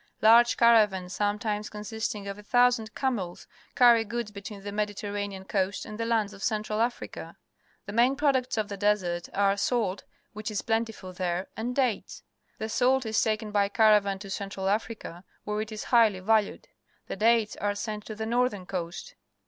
Large caravans, sometimes consisting of a thousand camels, carry goods between the Mediter ranean coast and the lands of Central Africa. The main products of the desert are salt^, which is plentiful there, and dates. The salt is taken by caravan to Central Africa, where it is highly valued. The dates are sent to the northern coast.